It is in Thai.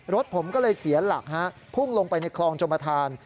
รถผมก็เลยเสียหลักฮะพุ่งลงไปในคลองชมธาน